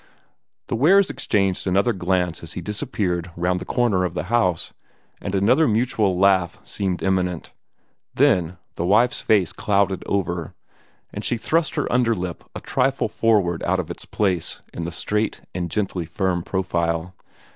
The Wares exchanged another glance as he disappeared round the corner of the house, and another mutual laugh seemed imminent. Then the wife's face clouded over, and she thrust her under lip a trifle forward out of its place in the straight and gently firm profile.